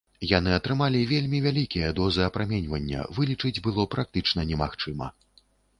Яны атрымалі вельмі вялікія дозы апраменьвання, вылечыць было практычна немагчыма.